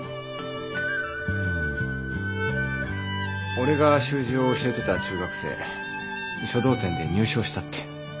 俺が習字を教えてた中学生書道展で入賞したって。